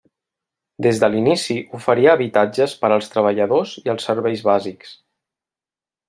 Des de l'inici oferia habitatges per als treballadors i els serveis bàsics.